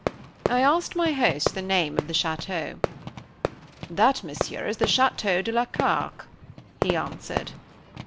I asked my host the name of the château. "That, Monsieur, is the Château de la Carque," he answered.